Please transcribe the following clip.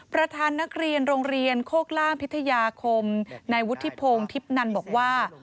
ประธานนักเรียนโรงเรียนโคกล่างพิทยาคมในวุฒิพงศ์ทิพย์นันบอกว่า